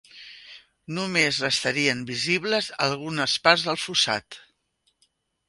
Només restarien visibles algunes parts del fossat.